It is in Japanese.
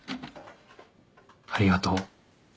ありがとう